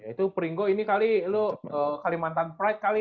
ya itu pringo ini kali lu kalimantan pride kali